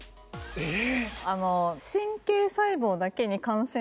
えっ！